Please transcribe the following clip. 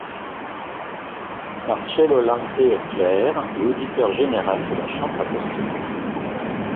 Marcello Lante est clerc et auditeur général de la chambre apostolique.